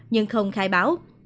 nhưng không khai báo